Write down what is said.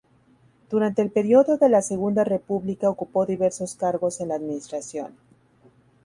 Durante el periodo de la Segunda República ocupó diversos cargos en la administración.